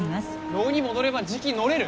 牢に戻ればじき乗れる。